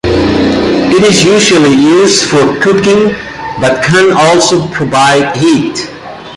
It is usually used for cooking but can also provide heat.